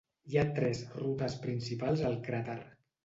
Hi ha tres rutes principals al cràter.